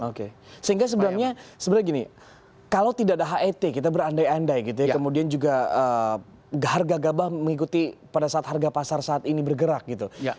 oke sehingga sebenarnya gini kalau tidak ada het kita berandai andai gitu ya kemudian juga harga gabah mengikuti pada saat harga pasar saat ini bergerak gitu